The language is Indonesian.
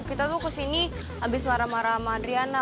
kita tuh kesini habis marah marah sama adriana